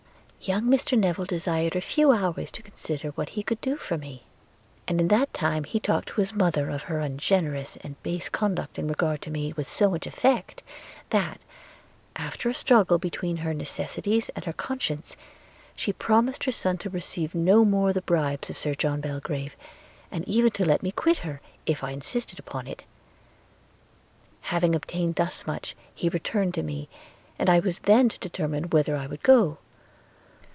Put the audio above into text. – Young Mr Newill desired a few hours to consider what he could do for me; and in that time he talked to his mother of her ungenerous and base conduct in regard to me, with so much effect, that, after a struggle between her necessities and her conscience, she promised her son to receive no more the bribes of Sir John Belgrave, and even to let me quit her, if I insisted upon it. Having obtained thus much, he returned to me, and I was then to determine whither I would go.